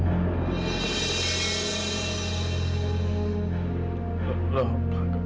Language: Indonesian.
ya karena mulai hari ini mama dan papa yang akan bergantian menjaga tovan